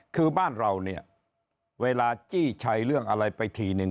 คือบ้านเราเนี่ยเวลาจี้ชัยเรื่องอะไรไปทีนึง